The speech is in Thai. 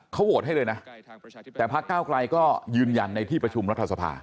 เขาโหวตให้เลยนะแต่พักเก้าไกลก็ยืนยันในที่ประชุมรัฐสภา